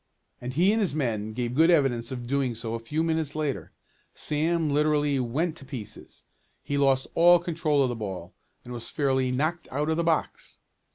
And he and his men gave good evidence of doing so a few minutes later. Sam literally "went to pieces." He lost all control of the ball, and was fairly "knocked out of the box."